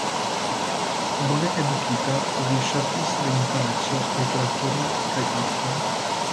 Bone edukita, li ŝatis de infaneco literaturon kaj arton.